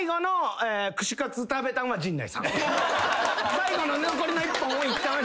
最後の残りの１本をいったんは。